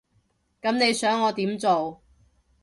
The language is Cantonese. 噉你想我點做？